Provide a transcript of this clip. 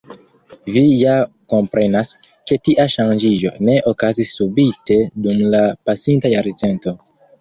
Vi ja komprenas, ke tia ŝanĝiĝo ne okazis subite dum la pasinta jarcento.